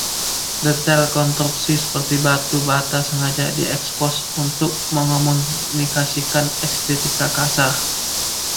Detail konstruksi seperti batu bata sengaja diekspos untuk mengomunikasikan estetika kasar.